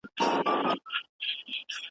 توتکۍ چي ځالګۍ ته را ستنه سوه ,